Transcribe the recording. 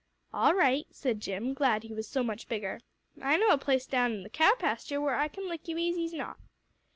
"All right," said Jim, glad he was so much bigger. "I know a place down in th' cow pasture where I can lick you's easy's not."